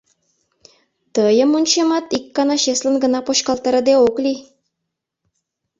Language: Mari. Тыйым, ончемат, ик гана чеслын гына почкалтарыде ок лий!